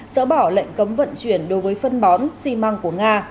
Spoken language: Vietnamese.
dỡ bỏ lệnh cấm vận chuyển đối với phân bón xi măng của nga